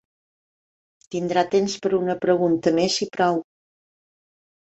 Tindrà temps per a una pregunta més i prou.